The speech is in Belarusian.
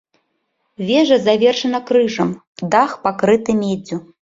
Вежа завершана крыжам, дах пакрыты меддзю.